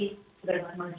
atau apa yang terjadi